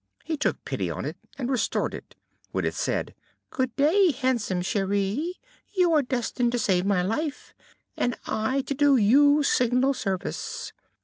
He took pity on it, and restored it, when it said, "Good day, handsome Cheri, you are destined to save my life, and I to do you signal service.